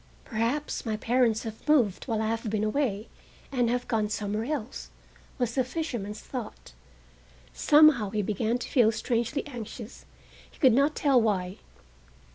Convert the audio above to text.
"Perhaps my parents have moved while I have been away, and have gone somewhere else," was the fisherman's thought. Somehow he began to feel strangely anxious, he could not tell why.